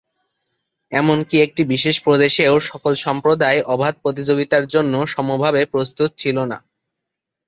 এমনকি একটি বিশেষ প্রদেশেও সকল সম্প্রদায় অবাধ প্রতিযোগিতার জন্য সমভাবে প্রস্ত্তত ছিল না।